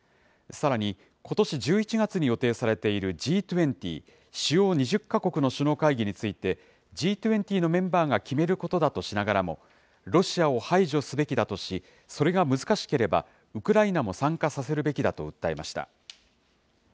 さらに、ことし１１月に予定されているＧ２０・主要２０か国の首脳会議について、Ｇ２０のメンバーが決めることだとしながらも、ロシアを排除すべきだとし、それが難しければ、ウクライナも参加させるべきだと訴えました。